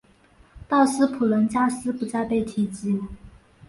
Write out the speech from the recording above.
道斯普伦加斯不再被提及。